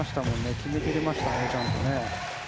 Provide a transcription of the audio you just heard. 決め切れましたね、ちゃんと。